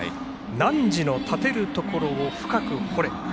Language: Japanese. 「爾の立てるところを深く掘れ」。